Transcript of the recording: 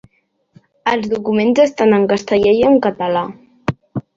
Els documents estan en castellà i català.